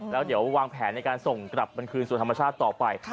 แล้วเดี๋ยววางแผนในการส่งกลับมันคืนสู่ธรรมชาติต่อไป